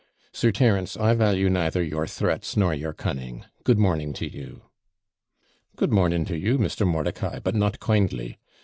'Sir Terence, I value neither your threats nor your cunning. Good morning to you.' 'Good morning to you, Mr. Mordicai but not kindly!